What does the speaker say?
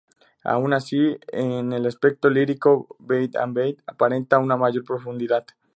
Aun así, en el aspecto lírico, "Bye and Bye" aparenta una mayor profundidad.